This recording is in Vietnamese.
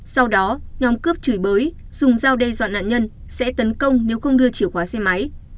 sau đó nhóm cướp chửi bới dùng dao đe dọa nạn nhân sẽ tấn công nếu không đưa chìa khóa xe máy